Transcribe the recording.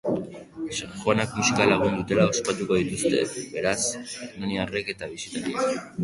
Sanjoanak musika lagun dutela ospatuko dituzte, beraz, hernaniarrek eta bisitariek.